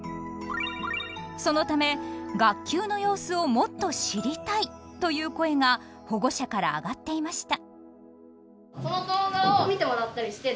そのため「学級の様子をもっと知りたい」という声が保護者から上がっていました。